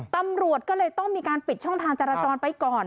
ตำรวจก็เลยต้องมีการปิดช่องทางจราจรไปก่อน